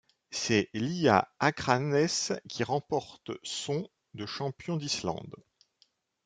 C'est l'ÍA Akranes qui remporte son de champion d'Islande.